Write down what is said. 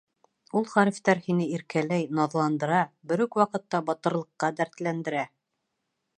Ул хәрефтәр һине иркәләй, наҙландыра, бер үк ваҡытта батырлыҡҡа дәртләндерә.